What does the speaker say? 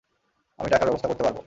আমি টাকার ব্যবস্থা করতে পারবো।